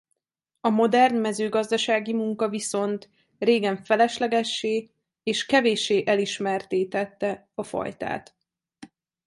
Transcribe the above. A modern mezőgazdasági munka viszont régen feleslegessé és kevéssé elismertté tette a fajtát.